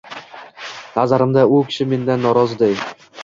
Nazarimda, u kishi mendan noroziday